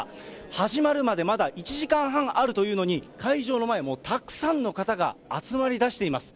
始まるまでまだ１時間半あるというのに、会場の前、もうたくさんの方が集まりだしています。